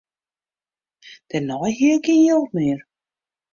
Dêrnei hie er gjin jild mear.